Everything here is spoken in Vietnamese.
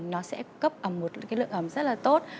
nó sẽ cấp ẩm một lượng ẩm rất là tốt